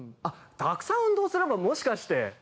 あったくさん運動すればもしかして。